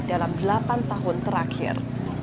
dalam delapan tahun terakhir